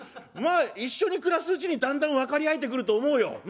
まあ一緒に暮らすうちにだんだん分かり合えてくると思うよ。